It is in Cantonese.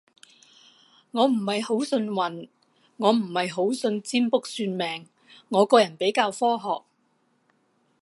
我唔係好信運，我唔係好信占卜算命，我個人比較科學